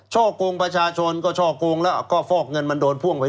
กงประชาชนก็ช่อกงแล้วก็ฟอกเงินมันโดนพ่วงไป